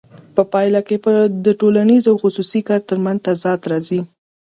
په پایله کې د ټولنیز او خصوصي کار ترمنځ تضاد راځي